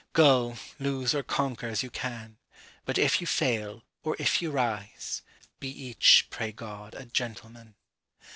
Go, lose or conquer as you can; But if you fail, or if you rise, Be each, pray God, a gentleman.